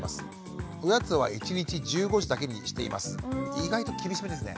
意外と厳しめですね。